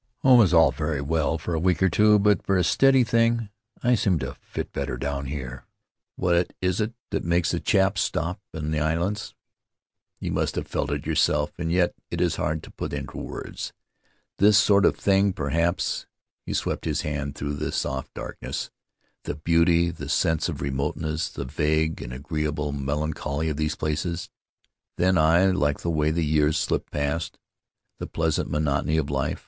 ... "Home is all very well for a week or two, but for a steady thing I seem to fit in better down here. What is it that makes a chap stop in the islands? You must have felt it yourself, and vet it is hard to put The Land of Ahu Ahu into words. This sort of thing, perhaps [he swept his hand through the soft darkness] ... the beauty, the sense of remoteness, the vague and agreeable melan choly of these places. Then I like the way the years slip past — the pleasant monotony of life.